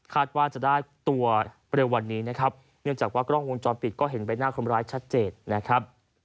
คาดว่าจะได้ตัวไปตลอดวันนี้นะครับ